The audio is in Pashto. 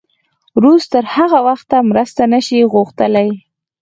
روس تر هغه وخته مرسته نه شي غوښتلی.